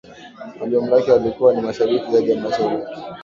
Waliomlaki walikuwa ni mashabiki zaidi ya mashabiki